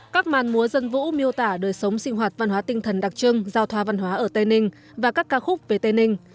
các màn múa dân vũ miêu tả đời sống sinh hoạt văn hóa tinh thần đặc trưng giao thoa văn hóa ở tây ninh và các ca khúc về tây ninh